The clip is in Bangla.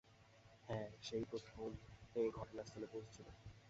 হ্যাঁ, সে-ই প্রথমে ঘটনাস্থলে পৌঁছেছিল।